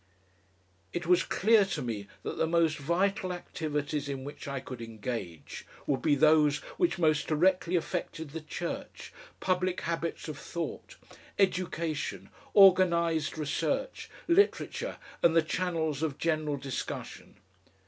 It was clear to me that the most vital activities in which I could engage would be those which most directly affected the Church, public habits of thought, education, organised research, literature, and the channels of general discussion.